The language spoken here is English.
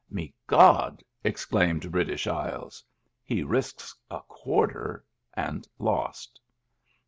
" Megod !" exclaimed British Isles. He risked a quarter, and lost.